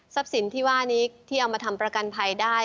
สินที่ว่านี้ที่เอามาทำประกันภัยได้